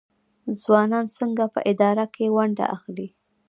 ځوانان څنګه په اداره کې ونډه اخلي؟